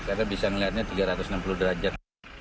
karena bisa ngeliatnya tiga ratus enam puluh derajat